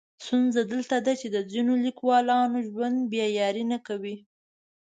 ستونزه دلته ده چې د ځینو لیکولانو ژوند بیا یاري نه کوي.